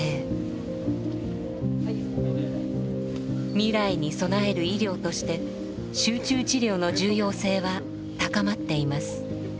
未来に備える医療として集中治療の重要性は高まっています。